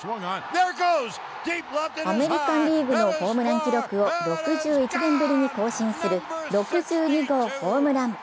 アメリカン・リーグのホームラン記録を６１年ぶりに更新する６２号ホームラン。